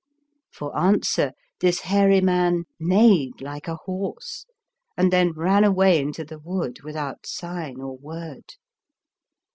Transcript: For answer this hairy man neighed like a horse, and then ran away into the wood without sign or word.